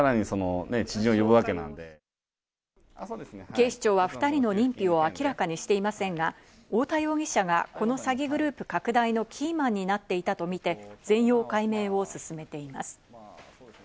警視庁は２人の認否を明らかにしていませんが、太田容疑者がこの詐欺グループ拡大のキーマンになっていたとみて、全容解明を進めています。